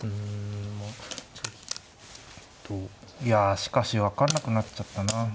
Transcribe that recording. いやしかし分かんなくなっちゃったな。